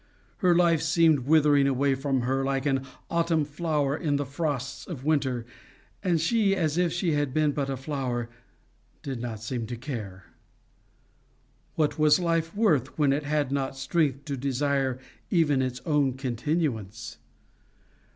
Her life seemed withering away from her, like an autumn flower in the frosts of winter; and she, as if she had been but a flower, did not seem to care. What was life worth, when it had not strength to desire even its own continuance?